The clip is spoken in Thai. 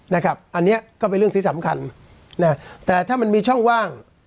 อันเนี้ยก็เป็นเรื่องที่สำคัญนะแต่ถ้ามันมีช่องว่าง